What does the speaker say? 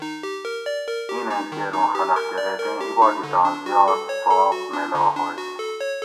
اینیں کیر ہوں خلق کہ ریتیں عبادتاں زیاد ثواب میلاؤ ہوئے